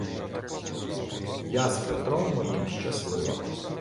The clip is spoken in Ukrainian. Я з Петром моїм щаслива